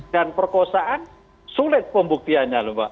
dan perkosaan sulit pembuktiannya lho mbak